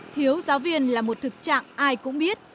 thiếu giáo viên là một thực trạng ai cũng biết